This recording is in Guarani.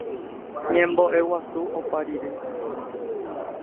Ñembo'eguasu opa rire